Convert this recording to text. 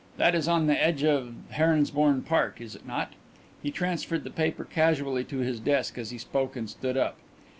That is on the edge of Heronsbourne Park, is it not?" He transferred the paper casually to his desk as he spoke and stood up.